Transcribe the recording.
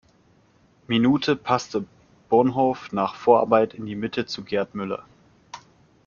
Minute passte Bonhof nach Vorarbeit in die Mitte zu Gerd Müller.